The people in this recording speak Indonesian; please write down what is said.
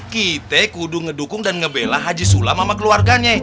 kita kudu ngedukung dan ngebela haji sulam sama keluarganya